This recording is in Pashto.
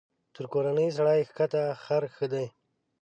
تر کورني سړي کښته خر ښه دى.